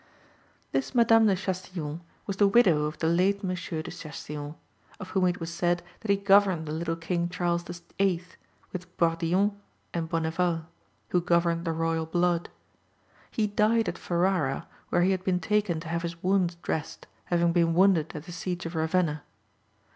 "This Madame de Chastillon was the widow of the late Monsieur de Chastillon, of whom it was said that he governed the little King Charles VIII., with Bourdillon and Bonneval, who governed the royal blood. He died at Ferrara, where he had been taken to have his wounds dressed, having been wounded at the siege of Ravenna.